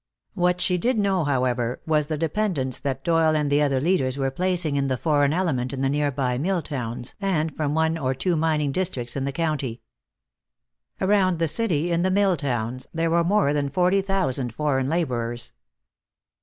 What she did know, however, was the dependence that Doyle and the other leaders were placing in the foreign element in the nearby mill towns and from one or two mining districts in the county. Around the city, in the mill towns, there were more than forty thousand foreign laborers.